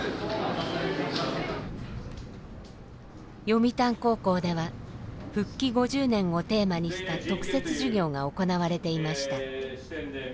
読谷高校では復帰５０年をテーマにした特設授業が行われていました。